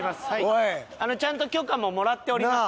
ちゃんと許可ももらっております